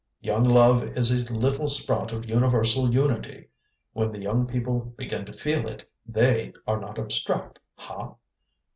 Young love is a little sprout of universal unity. When the young people begin to feel it, THEY are not abstract, ha?